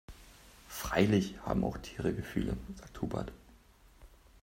"Freilich haben auch Tiere Gefühle", sagt Hubert.